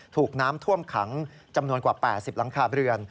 ถูกน้ำท่วมขังจำนวนกว่า๘๐หลังคาเรือน